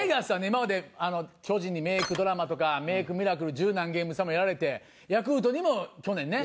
今まで巨人にメークドラマとかメークミラクル十何ゲーム差もやられてヤクルトにも去年ね。